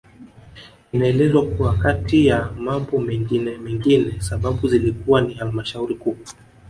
Inaelezwa kuwa kati ya mambo mengine mengi sababu zilikuwa ni halmashauri Kuu